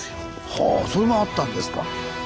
はぁそれもあったんですか。